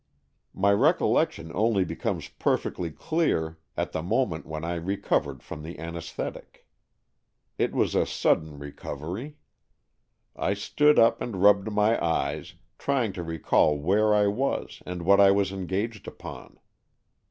My recollec tion only becomes perfectly clear at the moment when I recovered from the anaes thetic. It was a sudden recovery. I stood up and rubbed my eyes, trying to recall where I was and what I was engaged upon.